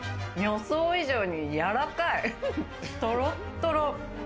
予想以上にやらかい、トロトロ！